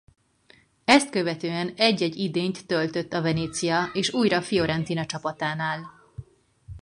Ezt követően egy-egy idényt töltött a Venezia és újra Fiorentina csapatánál.